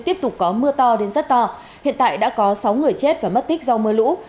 tiếp tục có mưa to đến rất to hiện tại đã có sáu người chết và mất tích do mưa lũ